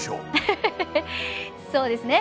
そうですね。